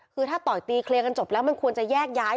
คือถ้าต่อยตีเคลียร์กันจบแล้วมันควรจะแยกย้าย